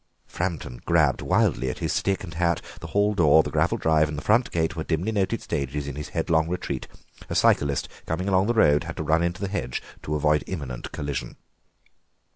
Framton grabbed wildly at his stick and hat; the hall door, the gravel drive, and the front gate were dimly noted stages in his headlong retreat. A cyclist coming along the road had to run into the hedge to avoid an imminent collision.